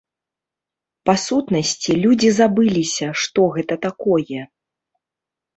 Па-сутнасці, людзі забыліся, што гэта такое.